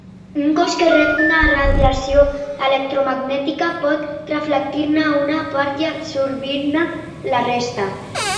Un cos que rep una radiació electromagnètica pot reflectir-ne una part i absorbir-ne la resta.